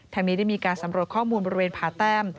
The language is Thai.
นี้ได้มีการสำรวจข้อมูลบริเวณผ่าแต้ม